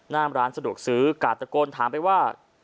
มร้านสะดวกซื้อกาดตะโกนถามไปว่า